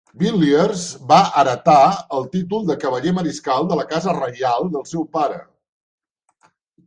Villiers va heretar el títol de cavaller mariscal de la casa reial del seu pare.